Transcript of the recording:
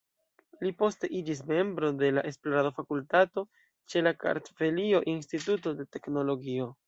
Li poste iĝis membro de la esplorado-fakultato ĉe la Kartvelio-Instituto de Teknologio.